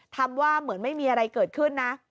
ทำว่าเหมือนไม่มีอะไรเกิดขึ้นนะ